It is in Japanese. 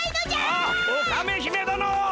あっオカメ姫殿！